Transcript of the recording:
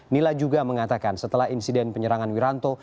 nila juga mengatakan setelah insiden penyerangan wiranto